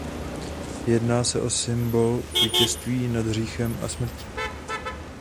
Jedná se o symbol vítězství nad hříchem a smrtí.